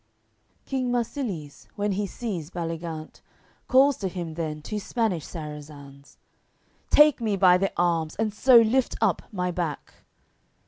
AOI. CCII King Marsilies, when he sees Baligant, Calls to him then two Spanish Sarazands: "Take me by the arms, and so lift up my back."